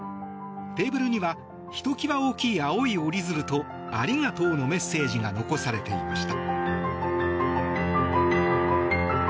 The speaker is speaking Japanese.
テーブルにはひと際大きい青い折り鶴と「ありがとう」のメッセージが残されていました。